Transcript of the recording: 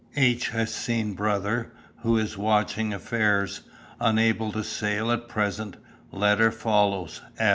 "H. has seen brother, who is watching affairs, unable to sail at present; letter follows.